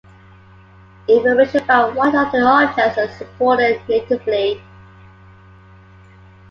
Information about what other objects are supported natively.